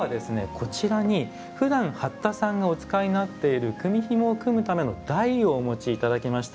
こちらにふだん八田さんがお使いになっている組みひもを組むための台をお持ち頂きました。